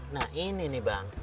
nah ini nih bang